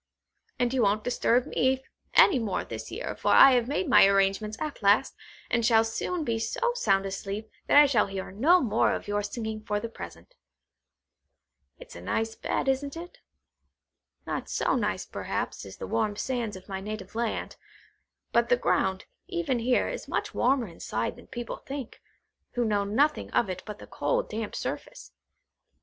And you won't disturb me any more this year, for I have made my arrangements at last, and shall soon be so sound asleep, that I shall hear no more of your singing for the present. It's a nice bed, isn't it? Not so nice, perhaps, as the warm sands of my native land; but the ground, even here, is much warmer inside it than people think, who know nothing of it but the cold damp surface.